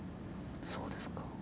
そうですか。